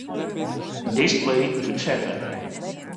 Display útsette.